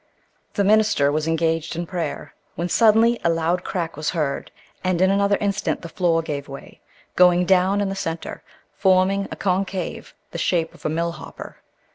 The minister was engaged in prayer, when suddenly a loud crack was heard, and in another instant the floor gave way, going down in the centre, forming a concave, the shape of a mill hopper.